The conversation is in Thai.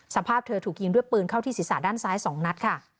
สภาพเธอถูกยิงด้วยปืนเข้าที่ศีรษะด้านซ้าย๒นัดค่ะ